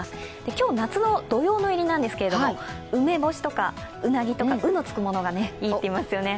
今日、夏の土用の入りなんですけども、梅干しとかうなぎとかうのつくものがいいっていいますよね。